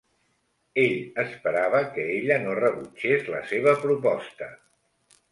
Ell esperava que ella no rebutgés la seva proposta